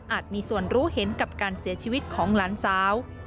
มีส่วนรู้เห็นกับการเสียชีวิตของหลานสาว